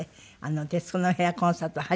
「徹子の部屋」コンサートは初めて？